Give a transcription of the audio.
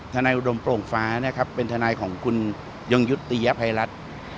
นายอุดมโปร่งฟ้านะครับเป็นทนายของคุณยงยุติยภัยรัฐ